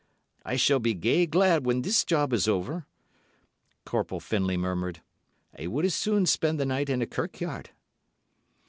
"I shall be gay glad when this job is over," Corporal Findlay murmured. "I would as soon spend the night in a kirkyard."